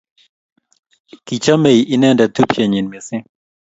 kichomei inendet tupchenyin mising